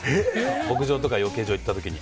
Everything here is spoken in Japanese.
牧場とか養鶏場に行った時に。